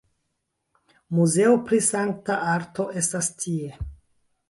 Muzeo pri sankta arto estas tie.